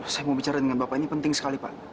saya mau bicara dengan bapak ini penting sekali pak